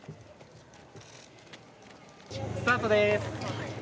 スタートです。